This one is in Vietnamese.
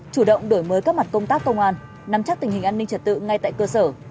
chủ động đổi mới các mặt công tác công an nắm chắc tình hình an ninh trật tự ngay tại cơ sở